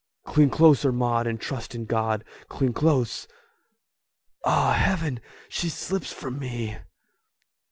"Cling closer, Maud, and trust in God! Cling close! Ah, heaven, she slips from me!"